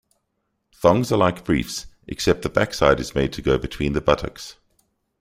Thongs are like briefs, except the backside is made to go between the buttocks.